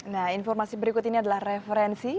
nah informasi berikut ini adalah referensi